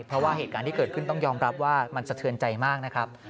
เพราะว่าเหตุการณ์ที่เกิดขึ้นต้องยอมรับว่ามันสะเทือนใจมากนะครับ